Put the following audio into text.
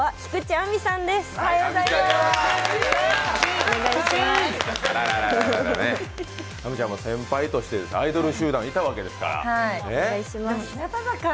亜美ちゃんも先輩としてアイドル集団いたわけですから。